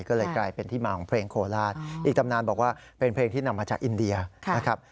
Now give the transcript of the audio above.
ก็เลยกลายเป็นที่มาของเพลงโคราชอีกตำนานบอกว่าเป็นเพลงที่นำมาจากอินเดียนะครับ